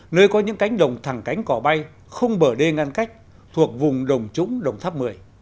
nơi có những cánh đồng thẳng cánh cỏ bay không bờ đê ngăn cách thuộc vùng đồng trũng đồng tháp một mươi